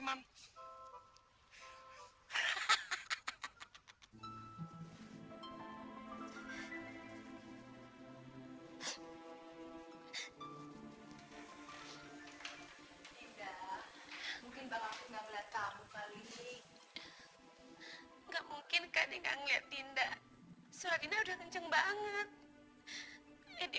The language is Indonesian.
turunan nabi sulaiman mungkin nggak mungkin kak dengan lihat dinda sudah kenceng banget